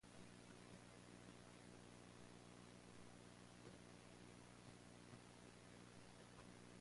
Some teams would use both styles of end play, depending on game situations.